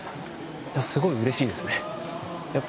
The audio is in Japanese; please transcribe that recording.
すごいうれしいですね。